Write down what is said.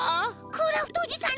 クラフトおじさん